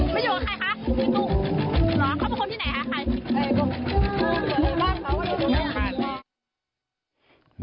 ใครจะมาส่ง